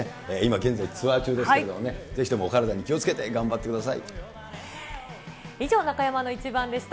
今現在、ツアー中ですけれどもね、ぜひともお体に気をつけて頑張っ以上、中山のイチバンでした。